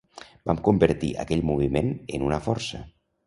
Vam convertir aquell moviment en una força.